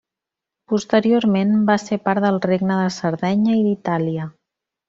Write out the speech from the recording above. Posteriorment va ser part del Regne de Sardenya i d'Itàlia.